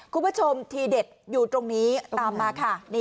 คุณผู้ชมทีเด็ดอยู่ตรงนี้ตามมาค่ะ